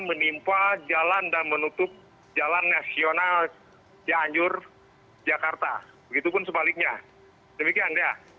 menimpa jalan dan menutup jalan nasional cianjur jakarta begitu pun sebaliknya demikian dia